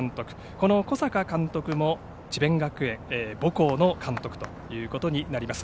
この小坂監督も智弁学園母校の監督ということになります。